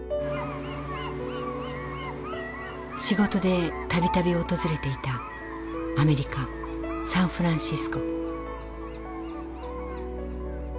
仕事で度々訪れていたアメリカ・サンフランシスコ。